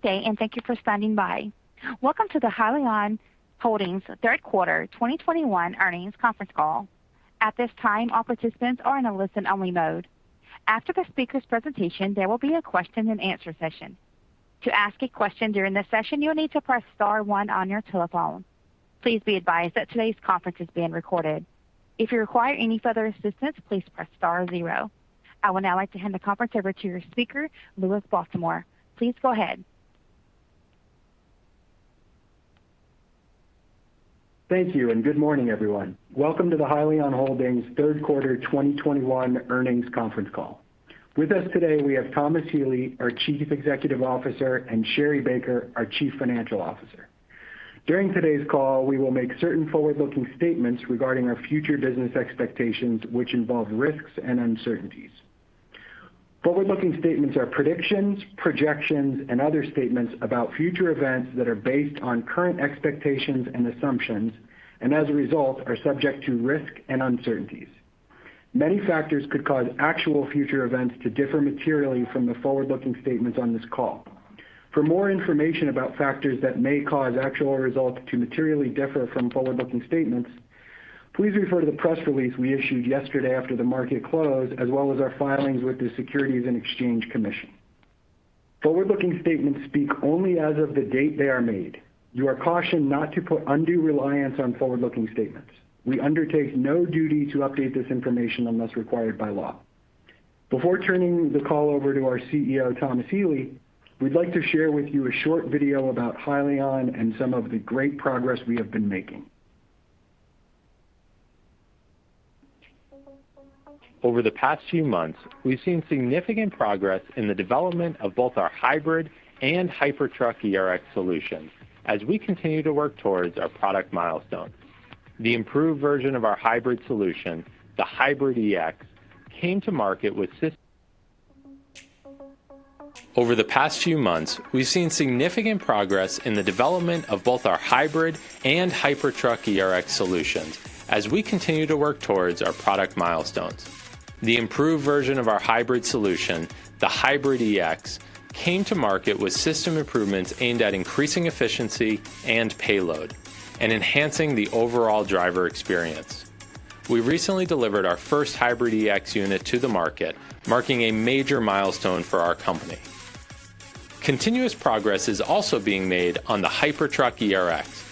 Good day and thank you for standing by. Welcome to the Hyliion Holdings third quarter 2021 earnings conference call. At this time, all participants are in a listen-only mode. After the speaker's presentation, there will be a question-and-answer session. To ask a question during the session, you will need to press star one on your telephone. Please be advised that today's conference is being recorded. If you require any further assistance, please press star zero. I would now like to hand the conference over to your speaker, Louis Baltimore. Please go ahead. Thank you, and good morning, everyone. Welcome to the Hyliion Holdings Q3 2021 earnings conference call. With us today, we have Thomas Healy, our Chief Executive Officer, and Sherri Baker, our Chief Financial Officer. During today's call, we will make certain forward-looking statements regarding our future business expectations, which involve risks and uncertainties. Forward-looking statements are predictions, projections, and other statements about future events that are based on current expectations and assumptions, and as a result, are subject to risk and uncertainties. Many factors could cause actual future events to differ materially from the forward-looking statements on this call. For more information about factors that may cause actual results to materially differ from forward-looking statements, please refer to the press release we issued yesterday after the market closed, as well as our filings with the Securities and Exchange Commission. Forward-looking statements speak only as of the date they are made. You are cautioned not to put undue reliance on forward-looking statements. We undertake no duty to update this information unless required by law. Before turning the call over to our CEO, Thomas Healy, we'd like to share with you a short video about Hyliion and some of the great progress we have been making. Over the past few months, we've seen significant progress in the development of both our hybrid and Hypertruck ERX solutions as we continue to work towards our product milestones. The improved version of our hybrid solution, the Hybrid eX, came to market with system improvements aimed at increasing efficiency and payload and enhancing the overall driver experience. We recently delivered our first Hybrid eX unit to the market, marking a major milestone for our company. Continuous progress is also being made on the Hypertruck ERX.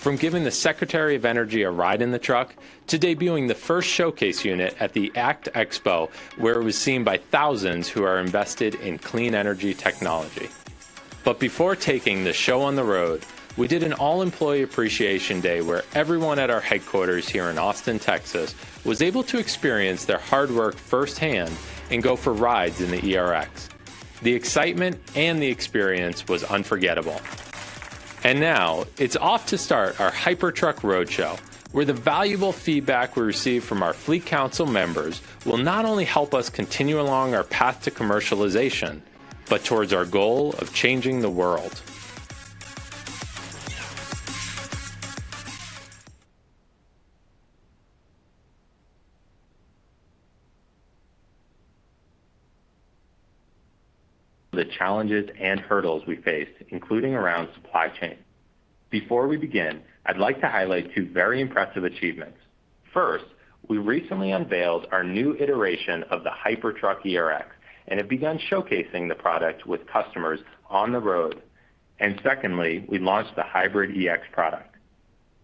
From giving the Secretary of Energy a ride in the truck to debuting the first showcase unit at the ACT Expo, where it was seen by thousands who are invested in clean energy technology. Before taking the show on the road, we did an all-employee appreciation day where everyone at our headquarters here in Austin, Texas, was able to experience their hard work firsthand and go for rides in the ERX. The excitement and the experience was unforgettable. Now it's off to start our Hypertruck road show, where the valuable feedback we receive from our fleet council members will not only help us continue along our path to commercialization, but towards our goal of changing the world. The challenges and hurdles we faced, including around supply chain. Before we begin, I'd like to highlight two very impressive achievements. First, we recently unveiled our new iteration of the Hypertruck ERX and have begun showcasing the product with customers on the road. Secondly, we launched the Hybrid eX product.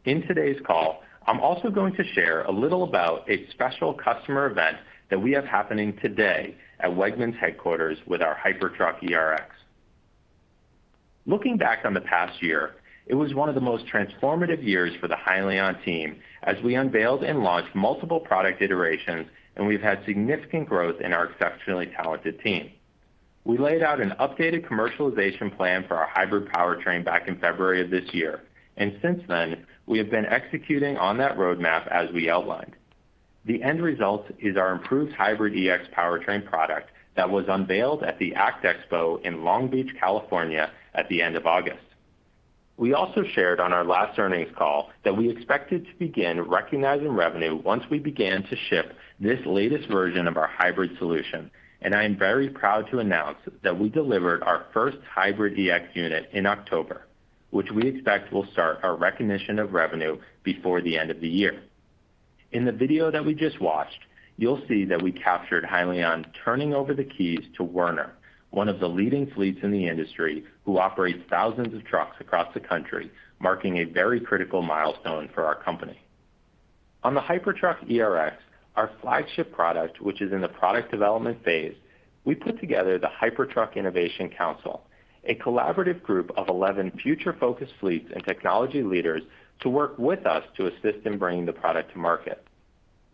In today's call, I'm also going to share a little about a special customer event that we have happening today at Wegmans headquarters with our Hypertruck ERX. Looking back on the past year, it was one of the most transformative years for the Hyliion team as we unveiled and launched multiple product iterations, and we've had significant growth in our exceptionally talented team. We laid out an updated commercialization plan for our hybrid powertrain back in February of this year, and since then, we have been executing on that roadmap as we outlined. The end result is our improved Hybrid eX powertrain product that was unveiled at the ACT Expo in Long Beach, California, at the end of August. We also shared on our last earnings call that we expected to begin recognizing revenue once we began to ship this latest version of our hybrid solution, and I am very proud to announce that we delivered our first Hybrid eX unit in October, which we expect will start our recognition of revenue before the end of the year. In the video that we just watched, you'll see that we captured Hyliion turning over the keys to Werner, one of the leading fleets in the industry who operates thousands of trucks across the country, marking a very critical milestone for our company. On the Hypertruck ERX, our flagship product, which is in the product development phase, we put together the Hypertruck Innovation Council, a collaborative group of 11 future-focused fleets and technology leaders to work with us to assist in bringing the product to market.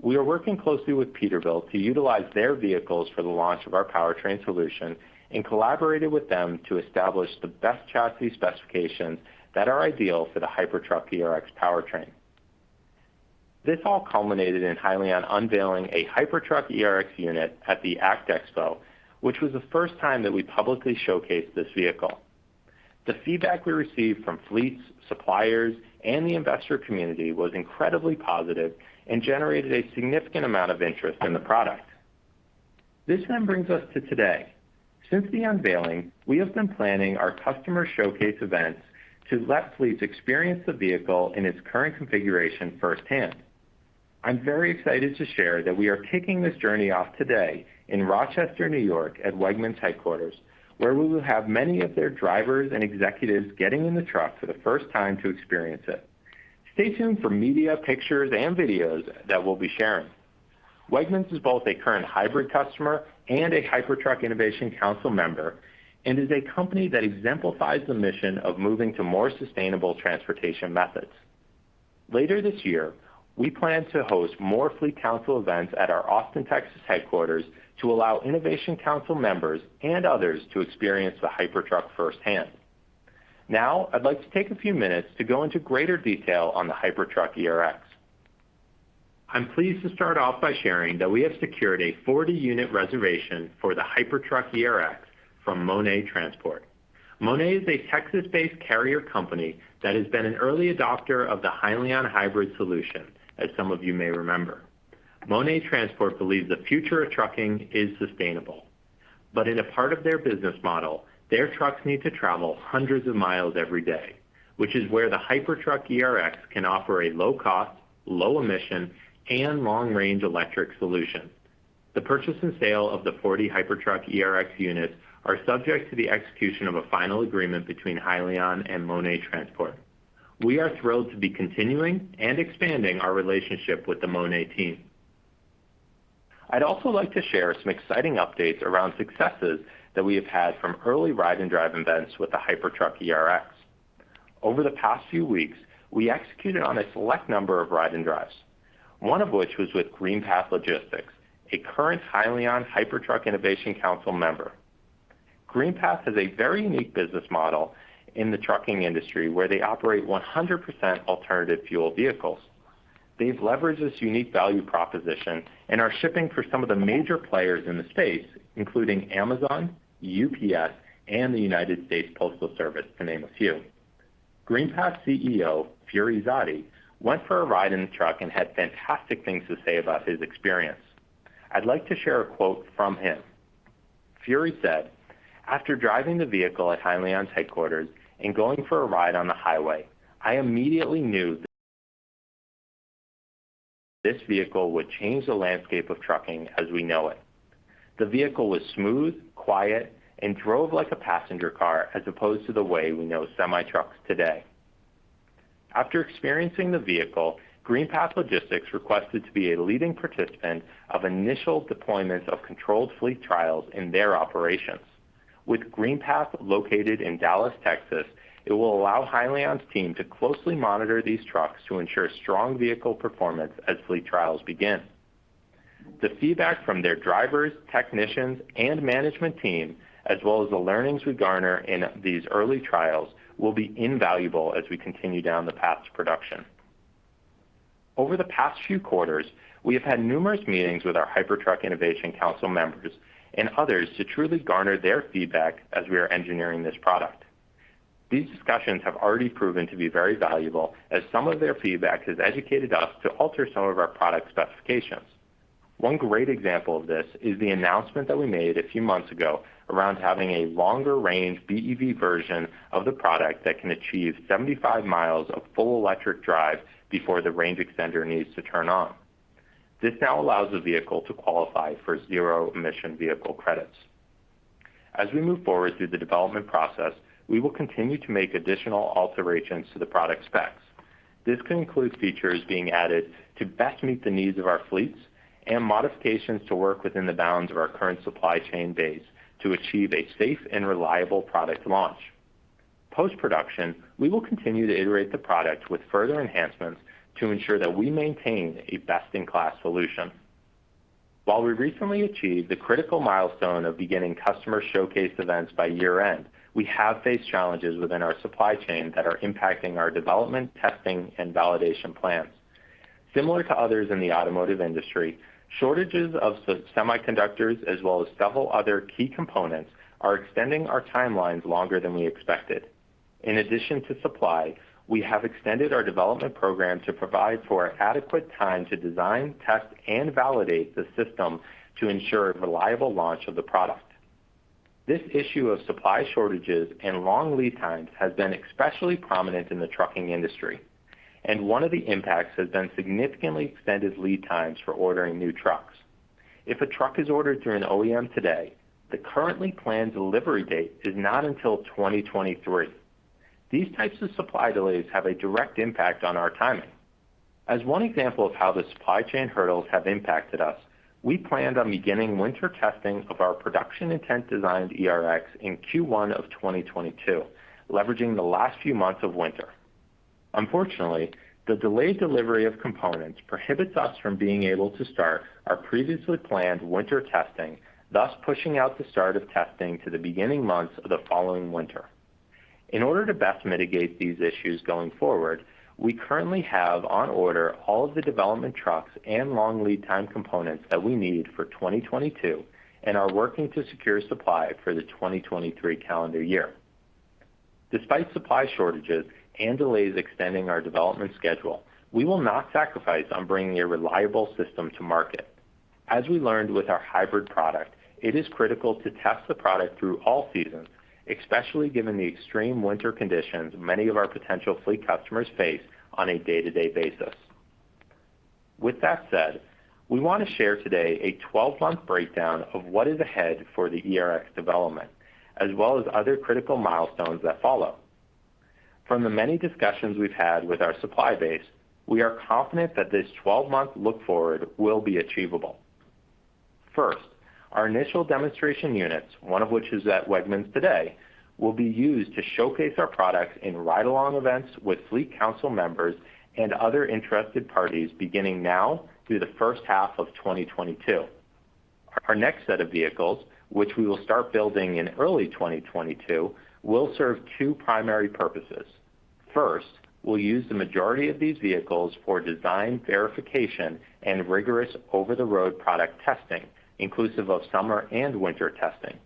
We are working closely with Peterbilt to utilize their vehicles for the launch of our powertrain solution and collaborated with them to establish the best chassis specifications that are ideal for the Hypertruck ERX powertrain. This all culminated in Hyliion unveiling a Hypertruck ERX unit at the ACT Expo, which was the first time that we publicly showcased this vehicle. The feedback we received from fleets, suppliers, and the investor community was incredibly positive and generated a significant amount of interest in the product. This then brings us to today. Since the unveiling, we have been planning our customer showcase events to let fleets experience the vehicle in its current configuration firsthand. I'm very excited to share that we are kicking this journey off today in Rochester, New York, at Wegmans headquarters, where we will have many of their drivers and executives getting in the truck for the first time to experience it. Stay tuned for media, pictures, and videos that we'll be sharing. Wegmans is both a current hybrid customer and a Hypertruck Innovation Council member, and is a company that exemplifies the mission of moving to more sustainable transportation methods. Later this year, we plan to host more Innovation Council events at our Austin, Texas headquarters to allow Innovation Council members and others to experience the Hypertruck firsthand. Now, I'd like to take a few minutes to go into greater detail on the Hypertruck ERX. I'm pleased to start off by sharing that we have secured a 40-unit reservation for the Hypertruck ERX from Mone Transport. Mone is a Texas-based carrier company that has been an early adopter of the Hyliion Hybrid solution, as some of you may remember. Mone Transport believes the future of trucking is sustainable. In a part of their business model, their trucks need to travel hundreds of miles every day, which is where the Hypertruck ERX can offer a low cost, low emission, and long-range electric solution. The purchase and sale of the 40 Hypertruck ERX units are subject to the execution of a final agreement between Hyliion and Mone Transport. We are thrilled to be continuing and expanding our relationship with the Mone team. I'd also like to share some exciting updates around successes that we have had from early ride and drive events with the Hypertruck ERX. Over the past few weeks, we executed on a select number of ride and drives, one of which was with GreenPath Logistics, a current Hyliion Hypertruck Innovation Council member. GreenPath has a very unique business model in the trucking industry where they operate 100% alternative fuel vehicles. They've leveraged this unique value proposition and are shipping for some of the major players in the space, including Amazon, UPS, and the United States Postal Service, to name a few. GreenPath CEO, [Fury Zaidi], went for a ride in the truck and had fantastic things to say about his experience. I'd like to share a quote from him. [Fury] said, "After driving the vehicle at Hyliion's headquarters and going for a ride on the highway, I immediately knew this vehicle would change the landscape of trucking as we know it. The vehicle was smooth, quiet, and drove like a passenger car as opposed to the way we know semi-trucks today." After experiencing the vehicle, GreenPath Logistics requested to be a leading participant of initial deployments of controlled fleet trials in their operations. With GreenPath located in Dallas, Texas, it will allow Hyliion's team to closely monitor these trucks to ensure strong vehicle performance as fleet trials begin. The feedback from their drivers, technicians, and management team, as well as the learnings we garner in these early trials, will be invaluable as we continue down the path to production. Over the past few quarters, we have had numerous meetings with our Hypertruck Innovation Council members and others to truly garner their feedback as we are engineering this product. These discussions have already proven to be very valuable as some of their feedback has educated us to alter some of our product specifications. One great example of this is the announcement that we made a few months ago around having a longer range BEV version of the product that can achieve 75 miles of full electric drive before the range extender needs to turn on. This now allows the vehicle to qualify for zero emission vehicle credits. As we move forward through the development process, we will continue to make additional alterations to the product specs. This can include features being added to best meet the needs of our fleets and modifications to work within the bounds of our current supply chain base to achieve a safe and reliable product launch. Post-production, we will continue to iterate the product with further enhancements to ensure that we maintain a best-in-class solution. While we recently achieved the critical milestone of beginning customer showcase events by year-end, we have faced challenges within our supply chain that are impacting our development, testing, and validation plans. Similar to others in the automotive industry, shortages of semiconductors as well as several other key components are extending our timelines longer than we expected. In addition to supply, we have extended our development program to provide for adequate time to design, test, and validate the system to ensure reliable launch of the product. This issue of supply shortages and long lead times has been especially prominent in the trucking industry, and one of the impacts has been significantly extended lead times for ordering new trucks. If a truck is ordered through an OEM today, the currently planned delivery date is not until 2023. These types of supply delays have a direct impact on our timing. As one example of how the supply chain hurdles have impacted us, we planned on beginning winter testing of our production intent designed ERX in Q1 of 2022, leveraging the last few months of winter. Unfortunately, the delayed delivery of components prohibits us from being able to start our previously planned winter testing, thus pushing out the start of testing to the beginning months of the following winter. In order to best mitigate these issues going forward, we currently have on order all of the development trucks and long lead time components that we need for 2022 and are working to secure supply for the 2023 calendar year. Despite supply shortages and delays extending our development schedule, we will not sacrifice on bringing a reliable system to market. As we learned with our hybrid product, it is critical to test the product through all seasons, especially given the extreme winter conditions many of our potential fleet customers face on a day-to-day basis. With that said, we wanna share today a 12-month breakdown of what is ahead for the ERX development, as well as other critical milestones that follow. From the many discussions we've had with our supply base, we are confident that this 12-month look forward will be achievable. First, our initial demonstration units, one of which is at Wegmans today, will be used to showcase our products in ride-along events with fleet council members and other interested parties beginning now through the first half of 2022. Our next set of vehicles, which we will start building in early 2022, will serve two primary purposes. First, we'll use the majority of these vehicles for design verification and rigorous over-the-road product testing, inclusive of summer and winter testing.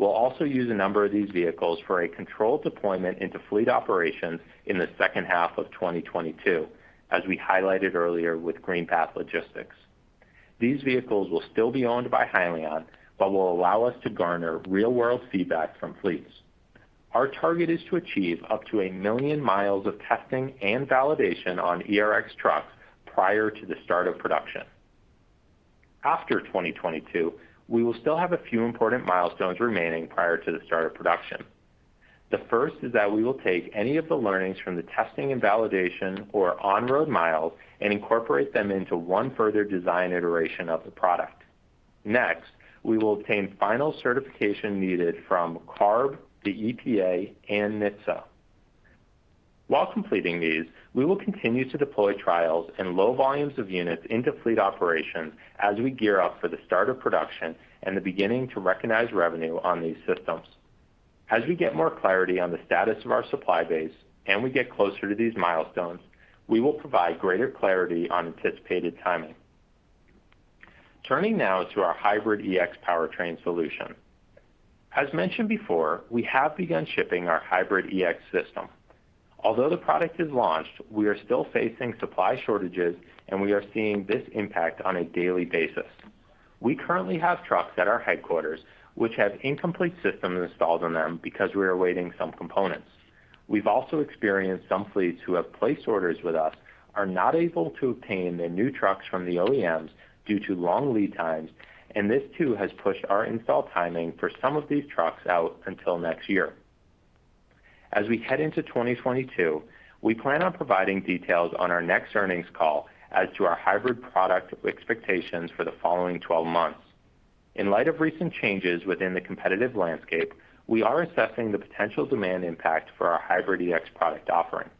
We'll also use a number of these vehicles for a controlled deployment into fleet operations in the second half of 2022, as we highlighted earlier with GreenPath Logistics. These vehicles will still be owned by Hyliion, but will allow us to garner real-world feedback from fleets. Our target is to achieve up to a million miles of testing and validation on ERX trucks prior to the start of production. After 2022, we will still have a few important milestones remaining prior to the start of production. The first is that we will take any of the learnings from the testing and validation or on-road miles and incorporate them into one further design iteration of the product. Next, we will obtain final certification needed from CARB, the EPA, and NHTSA. While completing these, we will continue to deploy trials and low volumes of units into fleet operations as we gear up for the start of production and the beginning to recognize revenue on these systems. As we get more clarity on the status of our supply base and we get closer to these milestones, we will provide greater clarity on anticipated timing. Turning now to our Hybrid eX powertrain solution. As mentioned before, we have begun shipping our Hybrid eX system. Although the product is launched, we are still facing supply shortages, and we are seeing this impact on a daily basis. We currently have trucks at our headquarters which have incomplete systems installed on them because we are awaiting some components. We've also experienced some fleets who have placed orders with us are not able to obtain their new trucks from the OEMs due to long lead times, and this too has pushed our install timing for some of these trucks out until next year. As we head into 2022, we plan on providing details on our next earnings call as to our Hybrid eX product expectations for the following 12 months. In light of recent changes within the competitive landscape, we are assessing the potential demand impact for our Hybrid eX product offering.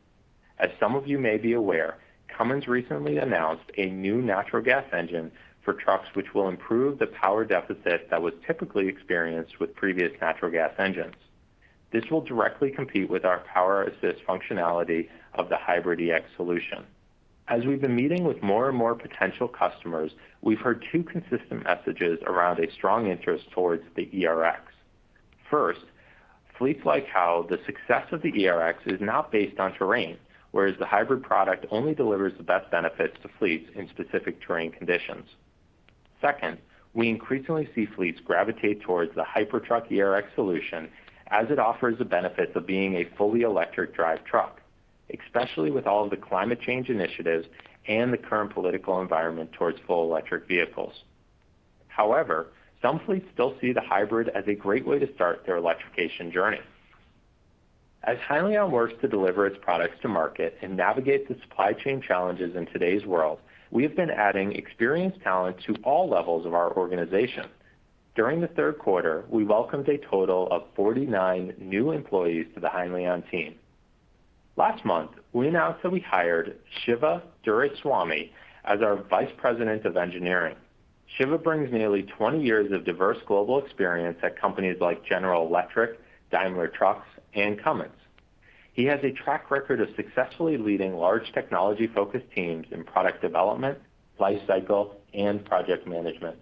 As some of you may be aware, Cummins recently announced a new natural gas engine for trucks which will improve the power deficit that was typically experienced with previous natural gas engines. This will directly compete with our power assist functionality of the Hybrid eX solution. As we've been meeting with more and more potential customers, we've heard two consistent messages around a strong interest towards the ERX. First, fleets like how the success of the ERX is not based on terrain, whereas the hybrid product only delivers the best benefits to fleets in specific terrain conditions. Second, we increasingly see fleets gravitate towards the Hypertruck ERX solution as it offers the benefits of being a fully electric drive truck, especially with all of the climate change initiatives and the current political environment towards full electric vehicles. However, some fleets still see the hybrid as a great way to start their electrification journey. As Hyliion works to deliver its products to market and navigate the supply chain challenges in today's world, we have been adding experienced talent to all levels of our organization. During the third quarter, we welcomed a total of 49 new employees to the Hyliion team. Last month, we announced that we hired Shiva Duraiswamy as our Vice President of Engineering. Shiva brings nearly 20 years of diverse global experience at companies like General Electric, Daimler Trucks, and Cummins. He has a track record of successfully leading large technology-focused teams in product development, life cycle, and project management.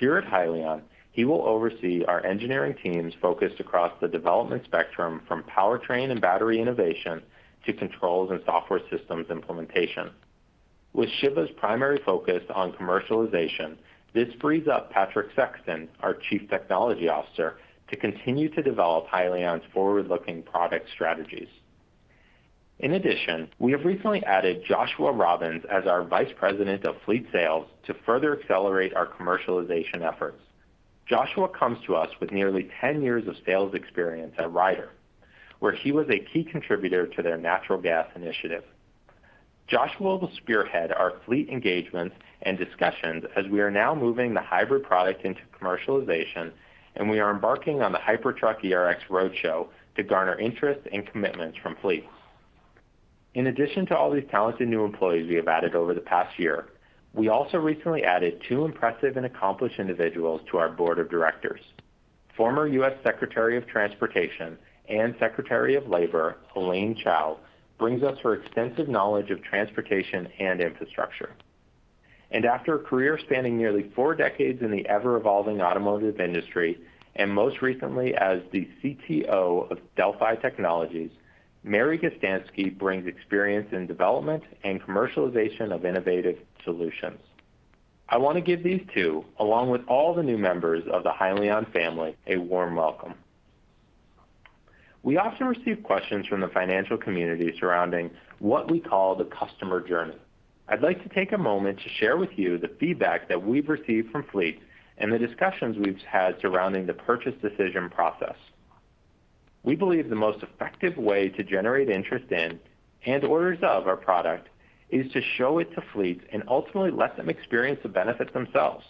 Here at Hyliion, he will oversee our engineering teams focused across the development spectrum from powertrain and battery innovation to controls and software systems implementation. With Shiva's primary focus on commercialization, this frees up Patrick Sexton, our Chief Technology Officer, to continue to develop Hyliion's forward-looking product strategies. In addition, we have recently added Joshua Robbins as our Vice President of Fleet Sales to further accelerate our commercialization efforts. Joshua comes to us with nearly 10 years of sales experience at Ryder, where he was a key contributor to their natural gas initiative. Joshua will spearhead our fleet engagements and discussions as we are now moving the hybrid product into commercialization, and we are embarking on the Hypertruck ERX road show to garner interest and commitments from fleets. In addition to all these talented new employees we have added over the past year, we also recently added two impressive and accomplished individuals to our Board of Directors. Former U.S. Secretary of Transportation and Secretary of Labor, Elaine Chao, brings us her extensive knowledge of transportation and infrastructure. After a career spanning nearly four decades in the ever-evolving automotive industry, and most recently as the CTO of Delphi Technologies, Mary Gustanski brings experience in development and commercialization of innovative solutions. I wanna give these two, along with all the new members of the Hyliion family, a warm welcome. We often receive questions from the financial community surrounding what we call the customer journey. I'd like to take a moment to share with you the feedback that we've received from fleets and the discussions we've had surrounding the purchase decision process. We believe the most effective way to generate interest in and orders of our product is to show it to fleets and ultimately let them experience the benefits themselves.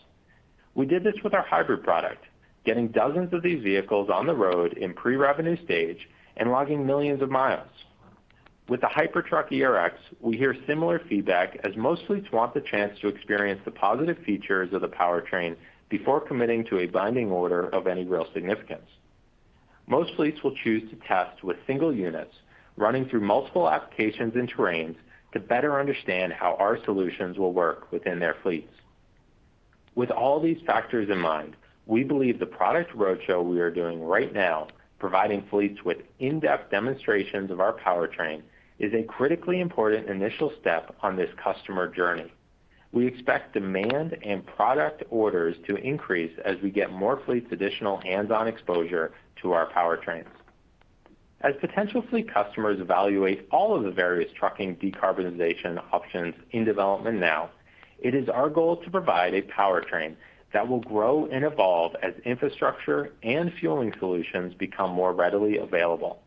We did this with our hybrid product, getting dozens of these vehicles on the road in pre-revenue stage and logging millions of miles. With the Hypertruck ERX, we hear similar feedback as most fleets want the chance to experience the positive features of the powertrain before committing to a binding order of any real significance. Most fleets will choose to test with single units running through multiple applications and terrains to better understand how our solutions will work within their fleets. With all these factors in mind, we believe the product roadshow we are doing right now, providing fleets with in-depth demonstrations of our powertrain, is a critically important initial step on this customer journey. We expect demand and product orders to increase as we get more fleets additional hands-on exposure to our powertrains. As potential fleet customers evaluate all of the various trucking decarbonization options in development now, it is our goal to provide a powertrain that will grow and evolve as infrastructure and fueling solutions become more readily available.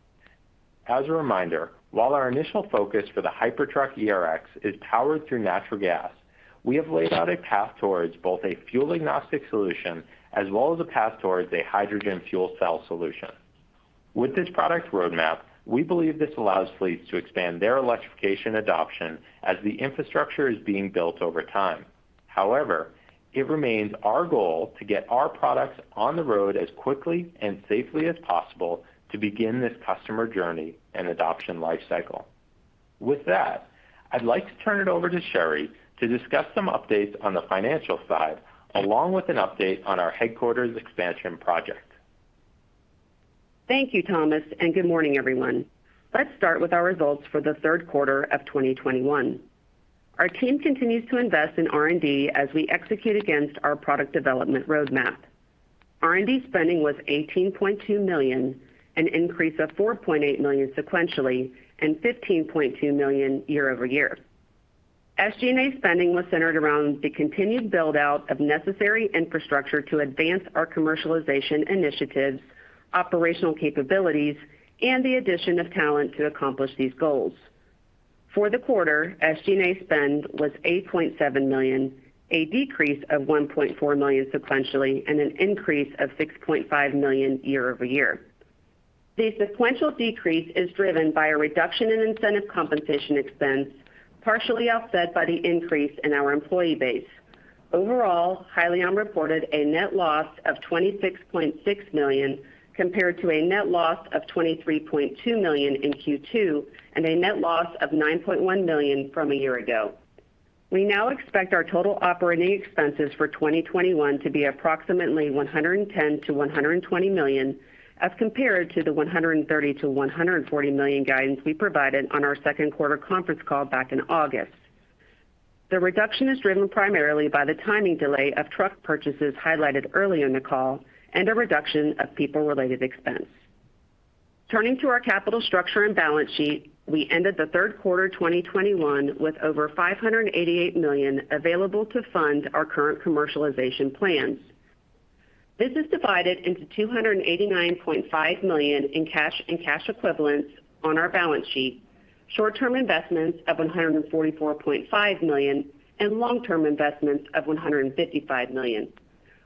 As a reminder, while our initial focus for the Hypertruck ERX is powered through natural gas, we have laid out a path towards both a fuel agnostic solution as well as a path towards a hydrogen fuel cell solution. With this product roadmap, we believe this allows fleets to expand their electrification adoption as the infrastructure is being built over time. However, it remains our goal to get our products on the road as quickly and safely as possible to begin this customer journey and adoption life cycle. With that, I'd like to turn it over to Sherri to discuss some updates on the financial side, along with an update on our headquarters expansion project. Thank you, Thomas, and good morning, everyone. Let's start with our results for the third quarter of 2021. Our team continues to invest in R&D as we execute against our product development roadmap. R&D spending was $18.2 million, an increase of $4.8 million sequentially and $15.2 million year-over-year. SG&A spending was centered around the continued build-out of necessary infrastructure to advance our commercialization initiatives, operational capabilities, and the addition of talent to accomplish these goals. For the quarter, SG&A spend was $8.7 million, a decrease of $1.4 million sequentially and an increase of $6.5 million year-over-year. The sequential decrease is driven by a reduction in incentive compensation expense, partially offset by the increase in our employee base. Overall, Hyliion reported a net loss of $26.6 million, compared to a net loss of $23.2 million in Q2 and a net loss of $9.1 million from a year ago. We now expect our total operating expenses for 2021 to be approximately $110 million-$120 million as compared to the $130 million-$140 million guidance we provided on our second quarter conference call back in August. The reduction is driven primarily by the timing delay of truck purchases highlighted earlier in the call and a reduction of people-related expense. Turning to our capital structure and balance sheet, we ended Q3 2021 with over $588 million available to fund our current commercialization plans. This is divided into $289.5 million in cash and cash equivalents on our balance sheet, short-term investments of $144.5 million, and long-term investments of $155 million.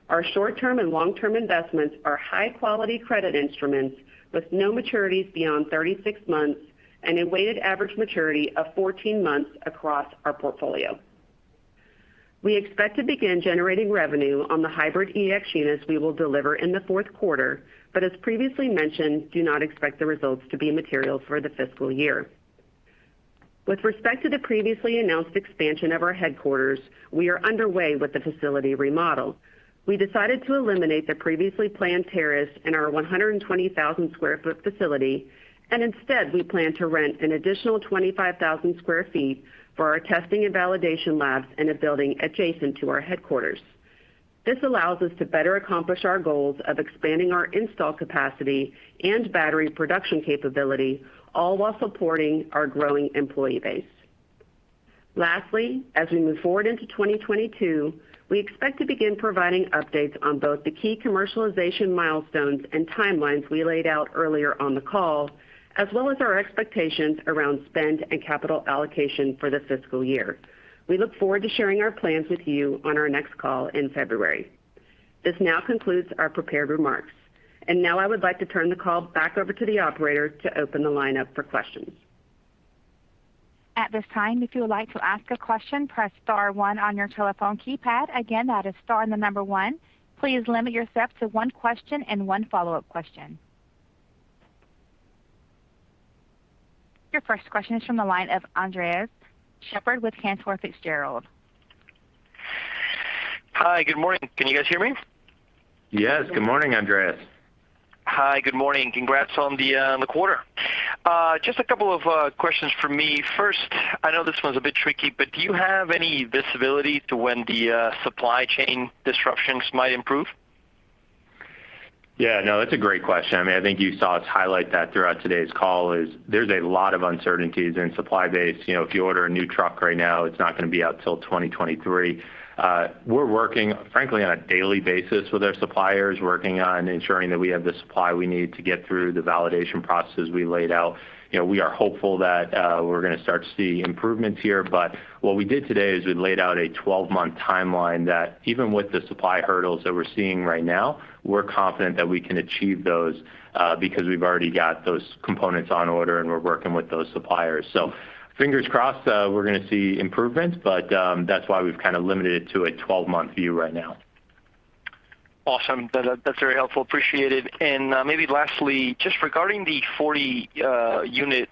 Our short-term and long-term investments are high-quality credit instruments with no maturities beyond 36 months and a weighted average maturity of 14 months across our portfolio. We expect to begin generating revenue on the Hybrid eX units we will deliver in the fourth quarter, but as previously mentioned, do not expect the results to be material for the fiscal year. With respect to the previously announced expansion of our headquarters, we are underway with the facility remodel. We decided to eliminate the previously planned terrace in our 120,000 sq ft facility, and instead, we plan to rent an additional 25,000 sq ft for our testing and validation labs in a building adjacent to our headquarters. This allows us to better accomplish our goals of expanding our install capacity and battery production capability, all while supporting our growing employee base. Lastly, as we move forward into 2022, we expect to begin providing updates on both the key commercialization milestones and timelines we laid out earlier on the call, as well as our expectations around spend and capital allocation for the fiscal year. We look forward to sharing our plans with you on our next call in February. This now concludes our prepared remarks. Now I would like to turn the call back over to the operator to open the lineup for questions. At this time, if you would like to ask a question, press star one on your telephone keypad. Again, that is star and the number one. Please limit yourself to one question and one follow-up question. Your first question is from the line of Andres Sheppard with Cantor Fitzgerald. Hi, good morning. Can you guys hear me? Yes, good morning, Andres. Hi, good morning. Congrats on the quarter. Just a couple of questions from me. First, I know this one's a bit tricky, but do you have any visibility to when the supply chain disruptions might improve? Yeah, no, that's a great question. I mean, I think you saw us highlight that throughout today's call is there's a lot of uncertainties in supply base. You know, if you order a new truck right now, it's not gonna be out till 2023. We're working, frankly, on a daily basis with our suppliers, working on ensuring that we have the supply we need to get through the validation processes we laid out. You know, we are hopeful that we're gonna start to see improvements here. What we did today is we laid out a 12-month timeline that even with the supply hurdles that we're seeing right now, we're confident that we can achieve those, because we've already got those components on order, and we're working with those suppliers. Fingers crossed, we're gonna see improvements, but that's why we've kind of limited it to a 12-month view right now. Awesome. That's very helpful. Appreciate it. Maybe lastly, just regarding the 40-unit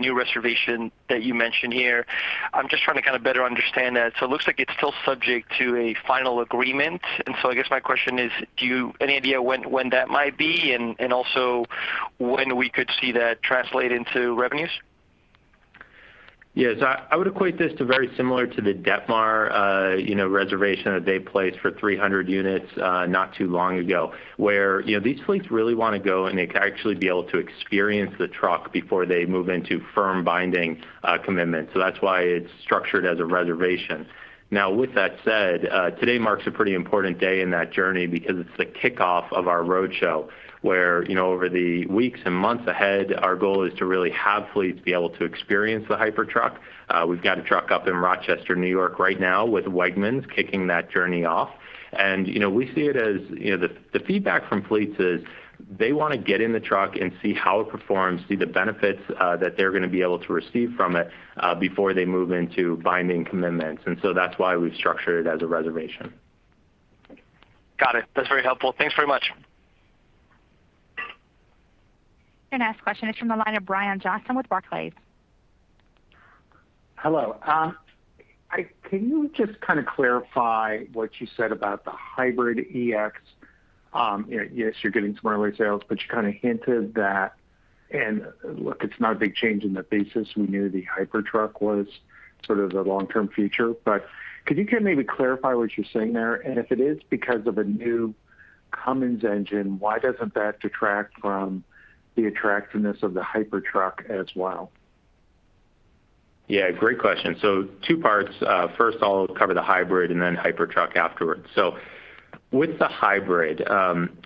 new reservation that you mentioned here, I'm just trying to kind of better understand that. It looks like it's still subject to a final agreement. I guess my question is, do you have any idea when that might be and also when we could see that translate into revenues? Yes. I would equate this to very similar to the Detmar, you know, reservation that they placed for 300 units, not too long ago, where, you know, these fleets really wanna go and actually be able to experience the truck before they move into firm binding, commitment. That's why it's structured as a reservation. Now with that said, today marks a pretty important day in that journey because it's the kickoff of our roadshow, where, you know, over the weeks and months ahead, our goal is to really have fleets be able to experience the Hypertruck. We've got a truck up in Rochester, New York, right now with Wegmans kicking that journey off. You know, we see it as, you know, the feedback from fleets is they want to get in the truck and see how it performs, see the benefits that they're gonna be able to receive from it before they move into binding commitments. So that's why we've structured it as a reservation. Got it. That's very helpful. Thanks very much. Your next question is from the line of Brian Johnson with Barclays. Hello. Can you just kind of clarify what you said about the Hybrid eX? You know, yes, you're getting some early sales, but you kind of hinted that, and look, it's not a big change in the basis. We knew the Hypertruck was sort of the long-term future. Could you kind of maybe clarify what you're saying there? And if it is because of a new Cummins engine, why doesn't that detract from the attractiveness of the Hypertruck as well? Yeah, great question. Two parts. First I'll cover the hybrid and then Hypertruck afterwards. With the hybrid,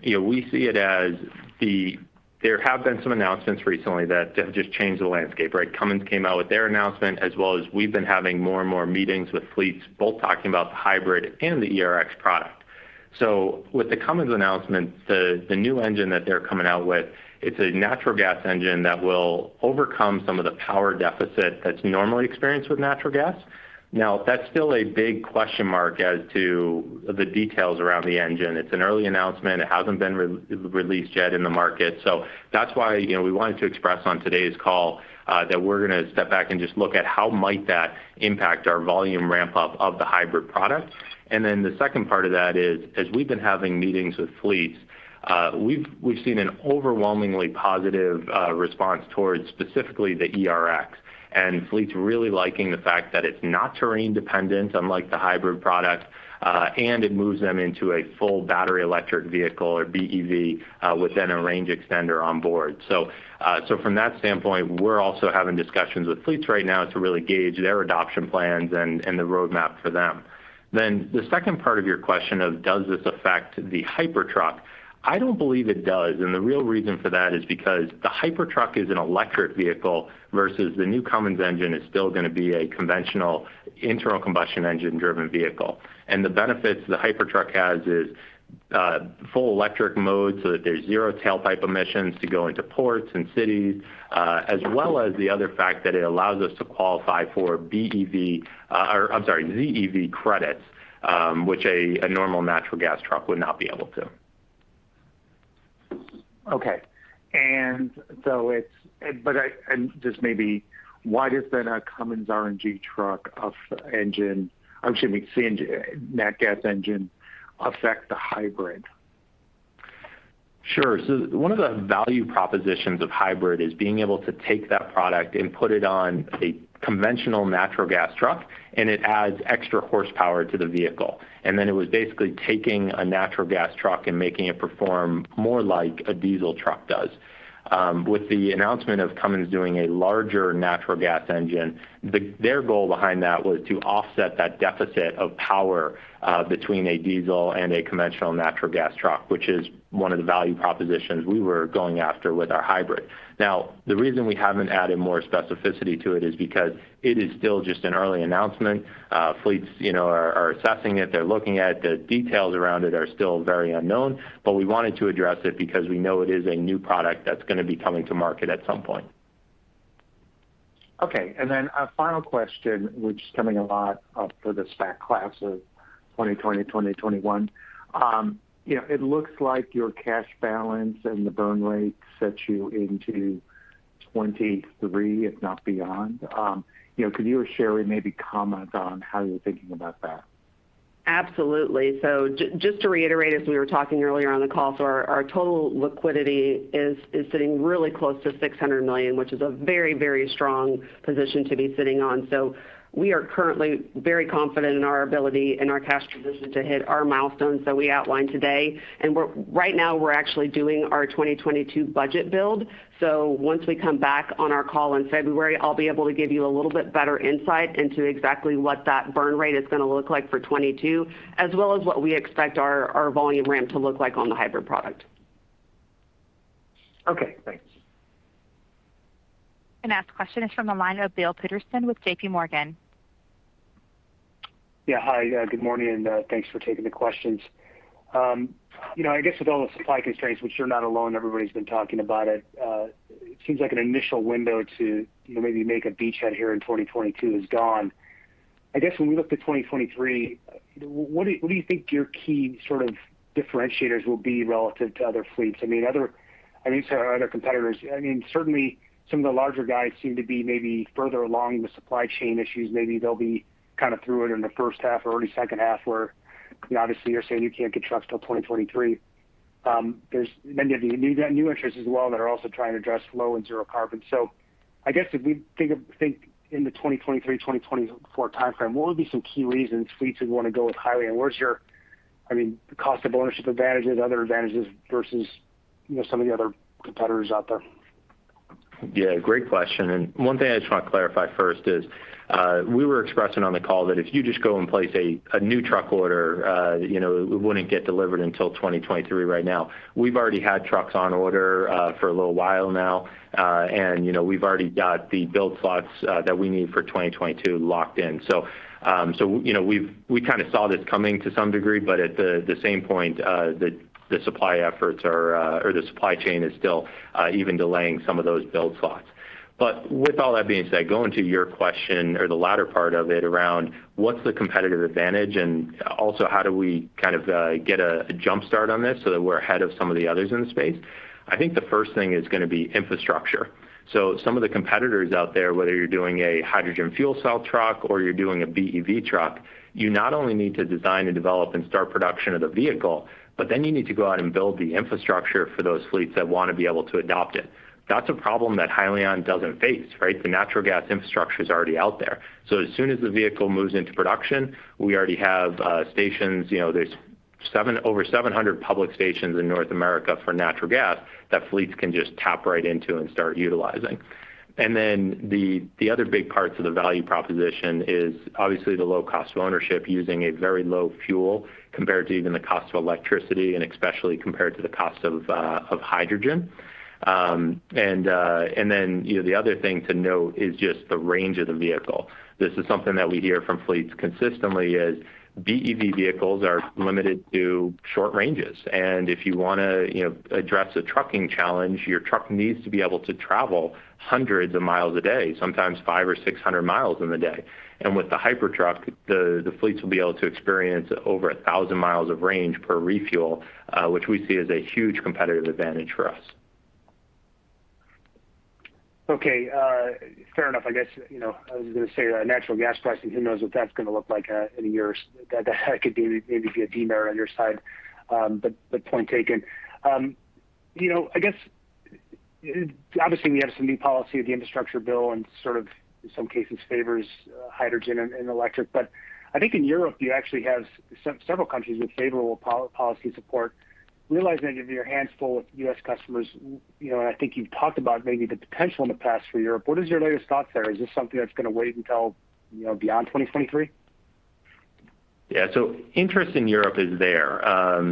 you know, we see it as the. There have been some announcements recently that have just changed the landscape, right? Cummins came out with their announcement as well as we've been having more and more meetings with fleets, both talking about the hybrid and the ERX product. With the Cummins announcement, the new engine that they're coming out with, it's a natural gas engine that will overcome some of the power deficit that's normally experienced with natural gas. Now, that's still a big question mark as to the details around the engine. It's an early announcement. It hasn't been released yet in the market. That's why, you know, we wanted to express on today's call that we're gonna step back and just look at how that might impact our volume ramp up of the hybrid product. The second part of that is, as we've been having meetings with fleets, we've seen an overwhelmingly positive response towards specifically the ERX, fleets really liking the fact that it's not terrain dependent, unlike the hybrid product, and it moves them into a full battery electric vehicle or BEV with a range extender on board. From that standpoint, we're also having discussions with fleets right now to really gauge their adoption plans and the roadmap for them. The second part of your question, does this affect the Hypertruck? I don't believe it does, and the real reason for that is because the Hypertruck is an electric vehicle versus the new Cummins engine is still gonna be a conventional internal combustion engine-driven vehicle. The benefits the Hypertruck has is full electric mode so that there's zero tailpipe emissions to go into ports and cities, as well as the other fact that it allows us to qualify for ZEV credits, which a normal natural gas truck would not be able to. Just maybe why does the Cummins RNG natural gas truck engine affect the hybrid? Sure. One of the value propositions of hybrid is being able to take that product and put it on a conventional natural gas truck, and it adds extra horsepower to the vehicle. It was basically taking a natural gas truck and making it perform more like a diesel truck does. With the announcement of Cummins doing a larger natural gas engine, their goal behind that was to offset that deficit of power between a diesel and a conventional natural gas truck, which is one of the value propositions we were going after with our hybrid. Now, the reason we haven't added more specificity to it is because it is still just an early announcement. Fleets, you know, are assessing it. They're looking at it. The details around it are still very unknown. We wanted to address it because we know it is a new product that's gonna be coming to market at some point. Okay. A final question, which is coming up a lot for the [SPAC classes], 2020, 2021. You know, it looks like your cash balance and the burn rate sets you into 2023, if not beyond. You know, could you or Sherry maybe comment on how you're thinking about that? Absolutely. Just to reiterate, as we were talking earlier on the call, our total liquidity is sitting really close to $600 million, which is a very, very strong position to be sitting on. We are currently very confident in our ability and our cash position to hit our milestones that we outlined today. Right now we're actually doing our 2022 budget build. Once we come back on our call in February, I'll be able to give you a little bit better insight into exactly what that burn rate is gonna look like for 2022, as well as what we expect our volume ramp to look like on the hybrid product. Okay, thanks. The next question is from the line of Bill Peterson with JPMorgan. Yeah, hi. Good morning, and thanks for taking the questions. You know, I guess with all the supply constraints, which you're not alone, everybody's been talking about it seems like an initial window to, you know, maybe make a beachhead here in 2022 is gone. I guess when we look to 2023, what do you think your key sort of differentiators will be relative to other fleets? I mean other competitors. I mean, certainly some of the larger guys seem to be maybe further along in the supply chain issues. Maybe they'll be kind of through it in the first half or already second half, where obviously you're saying you can't get trucks till 2023. There's many of the new entrants as well that are also trying to address low and zero carbon. I guess if we think in the 2023, 2024 timeframe, what would be some key reasons fleets would wanna go with Hyliion? Where's your, I mean, cost of ownership advantages, other advantages versus, you know, some of the other competitors out there? Yeah, great question. One thing I just wanna clarify first is, we were expressing on the call that if you just go and place a new truck order, you know, it wouldn't get delivered until 2023 right now. We've already had trucks on order for a little while now, and, you know, we've already got the build slots that we need for 2022 locked in. You know, we kind of saw this coming to some degree, but at the same point, the supply efforts are or the supply chain is still even delaying some of those build slots. With all that being said, going to your question or the latter part of it around what's the competitive advantage and also how do we kind of get a jump start on this so that we're ahead of some of the others in the space, I think the first thing is gonna be infrastructure. Some of the competitors out there, whether you're doing a hydrogen fuel cell truck or you're doing a BEV truck, you not only need to design and develop and start production of the vehicle, but then you need to go out and build the infrastructure for those fleets that wanna be able to adopt it. That's a problem that Hyliion doesn't face, right? The natural gas infrastructure is already out there. As soon as the vehicle moves into production, we already have stations. You know, there are over 700 public stations in North America for natural gas that fleets can just tap right into and start utilizing. Then the other big parts of the value proposition is obviously the low cost of ownership using a very low fuel compared to even the cost of electricity and especially compared to the cost of of hydrogen. You know, the other thing to note is just the range of the vehicle. This is something that we hear from fleets consistently is BEV vehicles are limited to short ranges. If you wanna, you know, address a trucking challenge, your truck needs to be able to travel hundreds of miles a day, sometimes 500 or 600 miles in the day. With the Hypertruck, the fleets will be able to experience over 1,000 miles of range per refuel, which we see as a huge competitive advantage for us. Okay, fair enough. I guess, you know, I was gonna say natural gas pricing, who knows what that's gonna look like in a year. That could be maybe a demerit on your side, but point taken. You know, I guess obviously we have some new policy, the infrastructure bill and sort of in some cases favors hydrogen and electric. I think in Europe you actually have several countries with favorable policy support. Realizing that you have your hands full with U.S. customers, you know, and I think you've talked about maybe the potential in the past for Europe, what is your latest thoughts there? Is this something that's gonna wait until, you know, beyond 2023? Yeah. Interest in Europe is there.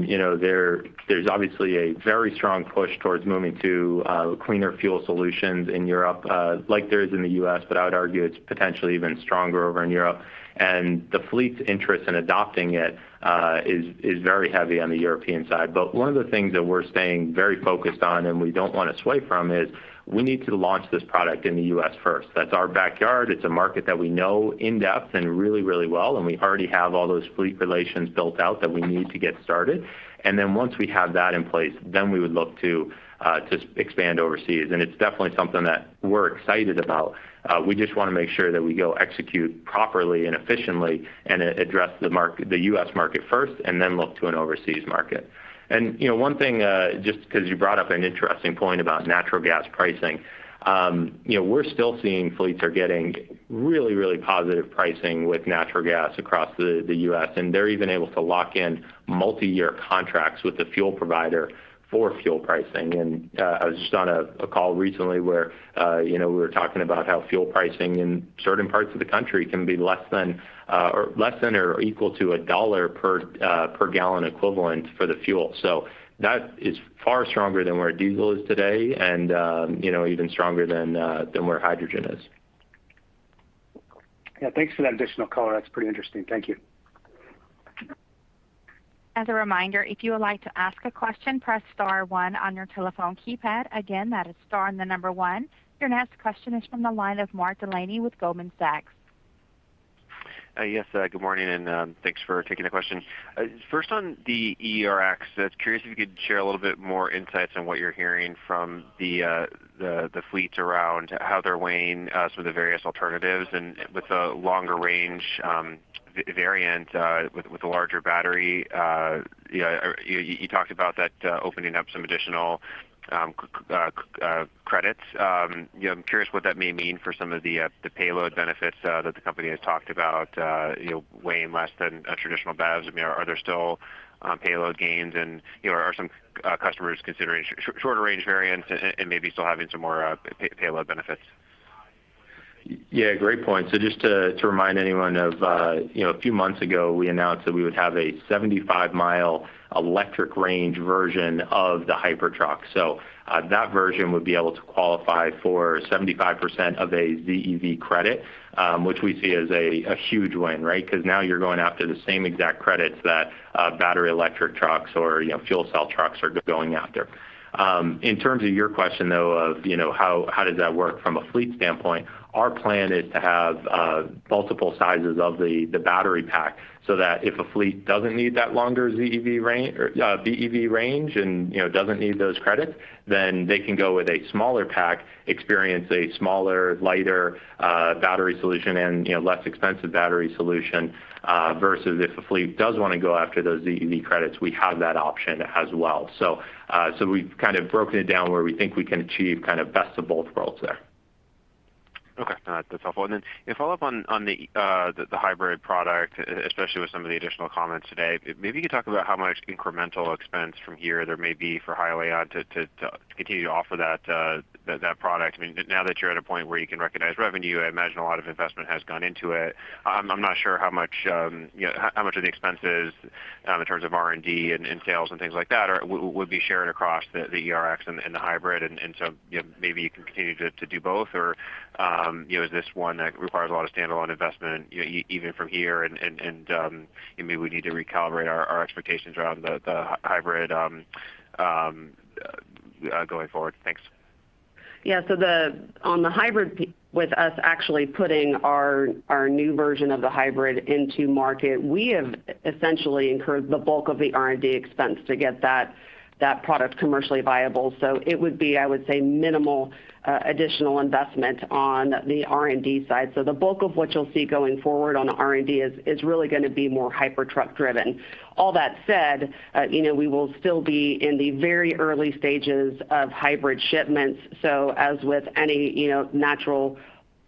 You know, there's obviously a very strong push towards moving to cleaner fuel solutions in Europe, like there is in the U.S., but I would argue it's potentially even stronger over in Europe. The fleet's interest in adopting it is very heavy on the European side. One of the things that we're staying very focused on and we don't wanna sway from is we need to launch this product in the U.S. first. That's our backyard. It's a market that we know in depth and really, really well, and we already have all those fleet relations built out that we need to get started. Then once we have that in place, then we would look to expand overseas. It's definitely something that we're excited about. We just wanna make sure that we go execute properly and efficiently and address the U.S. market first and then look to an overseas market. You know, one thing, just 'cause you brought up an interesting point about natural gas pricing. You know, we're still seeing fleets are getting really positive pricing with natural gas across the U.S., and they're even able to lock in multi-year contracts with the fuel provider for fuel pricing. I was just on a call recently where you know, we were talking about how fuel pricing in certain parts of the country can be less than or equal to a dollar per gallon equivalent for the fuel. That is far stronger than where diesel is today and, you know, even stronger than where hydrogen is. Yeah, thanks for that additional color. That's pretty interesting. Thank you. As a reminder, if you would like to ask a question, press star one on your telephone keypad. Again, that is star and the number one. Your next question is from the line of Mark Delaney with Goldman Sachs. Yes, good morning and thanks for taking the question. First on the ERX, just curious if you could share a little bit more insights on what you're hearing from the fleets around how they're weighing some of the various alternatives and with the longer range variant with the larger battery. You know, you talked about that opening up some additional credits. You know, I'm curious what that may mean for some of the payload benefits that the company has talked about, you know, weighing less than a traditional BEVs. I mean, are there still payload gains and, you know, are some customers considering shorter range variants and maybe still having some more payload benefits? Yeah, great point. Just to remind anyone of you know, a few months ago, we announced that we would have a 75-mile electric range version of the Hypertruck. That version would be able to qualify for 75% of a ZEV credit, which we see as a huge win, right? Because now you're going after the same exact credits that battery electric trucks or you know, fuel cell trucks are going after. In terms of your question though, you know, how does that work from a fleet standpoint, our plan is to have multiple sizes of the battery pack so that if a fleet doesn't need that longer ZEV range or BEV range and, you know, doesn't need those credits, then they can go with a smaller pack, experience a smaller, lighter battery solution and, you know, less expensive battery solution versus if a fleet does wanna go after those ZEV credits, we have that option as well. We've kind of broken it down where we think we can achieve kind of best of both worlds there. Okay. No, that's helpful. To follow up on the hybrid product, especially with some of the additional comments today, maybe you could talk about how much incremental expense from here there may be for Hyliion to continue to offer that product. I mean, now that you're at a point where you can recognize revenue, I imagine a lot of investment has gone into it. I'm not sure how much, you know, how much of the expenses in terms of R&D and sales and things like that are or would be shared across the ERX and the hybrid. Maybe you can continue to do both or, you know, is this one that requires a lot of standalone investment even from here and maybe we need to recalibrate our expectations around the hybrid going forward? Thanks. On the hybrid with us actually putting our new version of the hybrid into market, we have essentially incurred the bulk of the R&D expense to get that product commercially viable. It would be, I would say, minimal additional investment on the R&D side. The bulk of what you'll see going forward on R&D is really gonna be more Hypertruck driven. All that said, you know, we will still be in the very early stages of hybrid shipments, so as with any, you know, new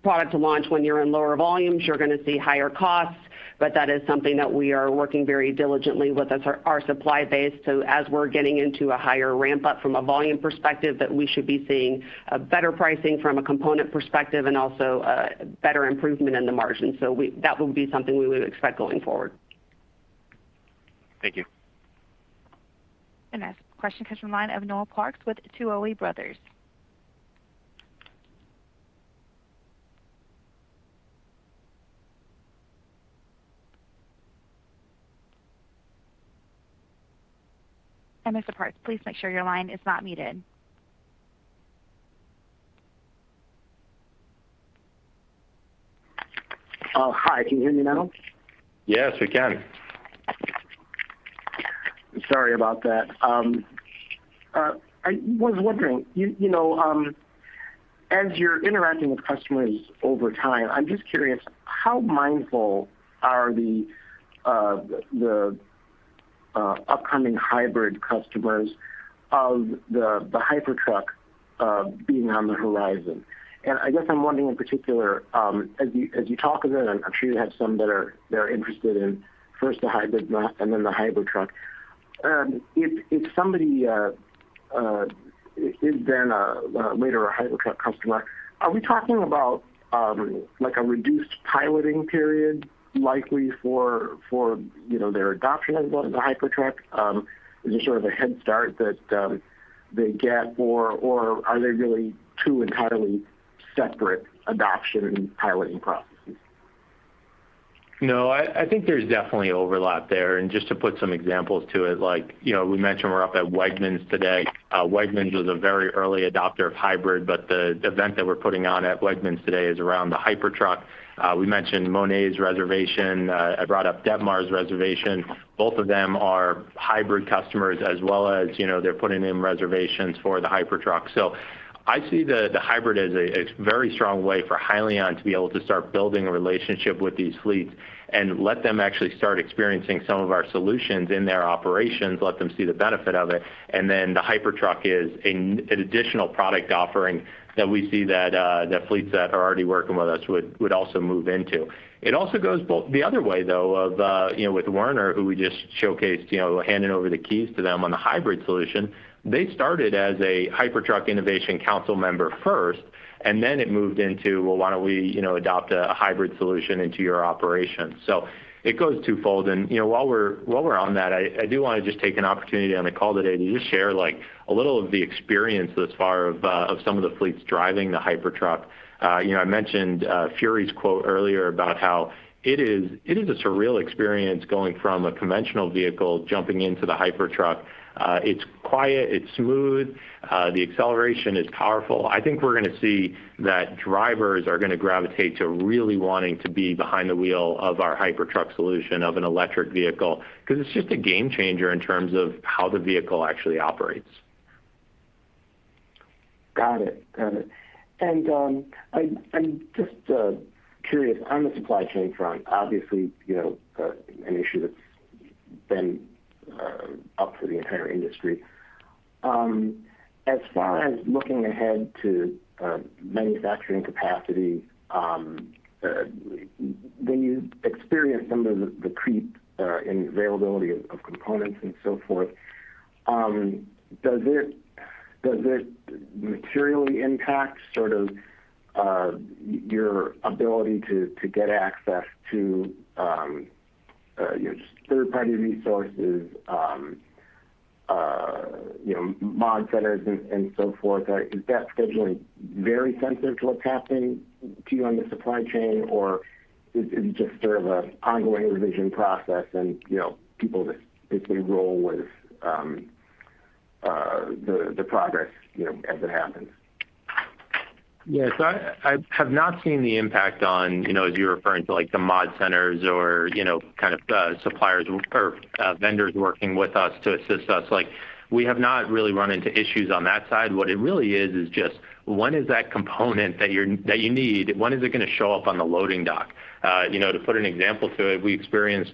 product to launch when you're in lower volumes, you're gonna see higher costs. That is something that we are working very diligently with our supply base, so as we're getting into a higher ramp up from a volume perspective that we should be seeing better pricing from a component perspective and also better improvement in the margin. That would be something we would expect going forward. Thank you. The next question comes from the line of Noel Parks with Tuohy Brothers. Mr. Parks, please make sure your line is not muted. Hi. Can you hear me now? Yes, we can. Sorry about that. I was wondering, you know, as you're interacting with customers over time, I'm just curious how mindful are the upcoming hybrid customers of the Hypertruck being on the horizon? I guess I'm wondering in particular, as you talk of it, I'm sure you have some they're interested in first the hybrid and then the Hypertruck. If somebody is then a later Hypertruck customer, are we talking about like a reduced piloting period likely for you know their adoption of the Hypertruck? Is it sort of a head start that they get or are they really two entirely separate adoption and piloting processes? No, I think there's definitely overlap there. Just to put some examples to it, like, you know, we mentioned we're up at Wegmans today. Wegmans was a very early adopter of hybrid, but the event that we're putting on at Wegmans today is around the Hypertruck. We mentioned Mone's reservation. I brought up Detmar's reservation. Both of them are hybrid customers as well as, you know, they're putting in reservations for the Hypertruck. I see the hybrid as a very strong way for Hyliion to be able to start building a relationship with these fleets and let them actually start experiencing some of our solutions in their operations, let them see the benefit of it. Then the Hypertruck is an additional product offering that we see that the fleets that are already working with us would also move into. It also goes both the other way, though, of you know, with Werner, who we just showcased, you know, handing over the keys to them on the hybrid solution. They started as a Hypertruck Innovation Council member first, and then it moved into, "Well, why don't we, you know, adopt a hybrid solution into your operation?" It goes twofold. You know, while we're on that, I do wanna just take an opportunity on the call today to just share, like, a little of the experience thus far of some of the fleets driving the Hypertruck. You know, I mentioned James Purvis's quote earlier about how it is a surreal experience going from a conventional vehicle, jumping into the Hypertruck. It's quiet, it's smooth, the acceleration is powerful. I think we're gonna see that drivers are gonna gravitate to really wanting to be behind the wheel of our Hypertruck solution of an electric vehicle, 'cause it's just a game changer in terms of how the vehicle actually operates. Got it. I'm just curious. On the supply chain front, obviously, you know, an issue that's been up for the entire industry, as far as looking ahead to manufacturing capacity, when you experience some of the creep in availability of components and so forth, does it materially impact sort of your ability to get access to your third-party resources, you know, mod centers and so forth? Is that scheduling very sensitive to what's happening to you on the supply chain, or is it just sort of an ongoing revision process and, you know, people just basically roll with the progress, you know, as it happens? Yeah. I have not seen the impact on, you know, as you're referring to, like, the mod centers or, you know, kind of, suppliers or, vendors working with us to assist us. Like, we have not really run into issues on that side. What it really is is just when is that component that you need, when is it gonna show up on the loading dock? You know, to put an example to it, we experienced.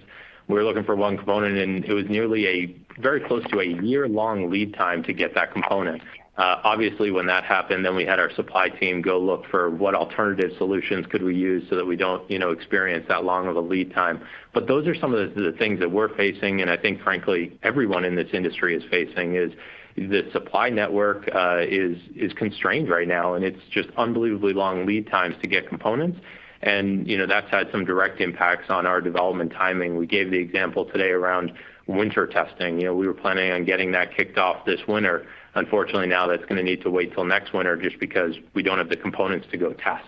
We were looking for one component, and it was nearly a very close to a year-long lead time to get that component. Obviously, when that happened, we had our supply team go look for what alternative solutions could we use so that we don't, you know, experience that long of a lead time. Those are some of the things that we're facing, and I think frankly, everyone in this industry is facing, the supply network is constrained right now, and it's just unbelievably long lead times to get components. You know, that's had some direct impacts on our development timing. We gave the example today around winter testing. You know, we were planning on getting that kicked off this winter. Unfortunately, now that's gonna need to wait till next winter just because we don't have the components to go test.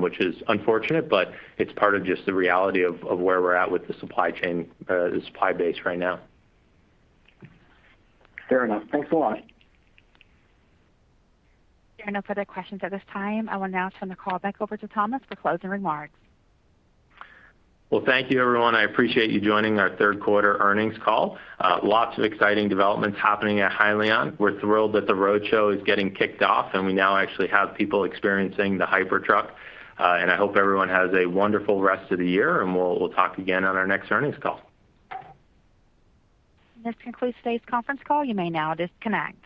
Which is unfortunate, but it's part of just the reality of where we're at with the supply chain, the supply base right now. Fair enough. Thanks a lot. There are no further questions at this time. I will now turn the call back over to Thomas for closing remarks. Well, thank you everyone. I appreciate you joining our third quarter earnings call. Lots of exciting developments happening at Hyliion. We're thrilled that the road show is getting kicked off, and we now actually have people experiencing the Hypertruck. I hope everyone has a wonderful rest of the year, and we'll talk again on our next earnings call. This concludes today's conference call. You may now disconnect.